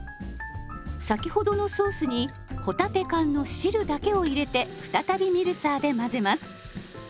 先ほどのソースに帆立て缶の汁だけを入れて再びミルサーで混ぜます。